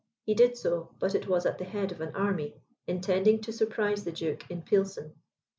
He did so, but it was at the head of an army, intending to surprise the duke in Pilsen.